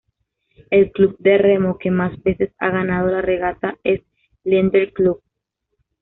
El club de remo que más veces ha ganado la regata es Leander Club.